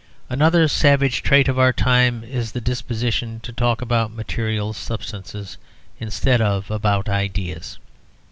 Another savage trait of our time is the disposition to talk about material substances instead of about ideas.